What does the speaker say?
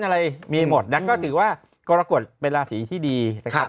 และก็ถือว่ากรกฏเป็นลาสีที่ดี